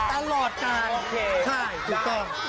ใช่ถูกต้อง